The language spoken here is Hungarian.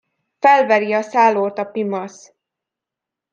Felveri a szállót a pimasz!